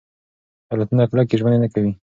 دولتونه کلکې ژمنې نه کوي.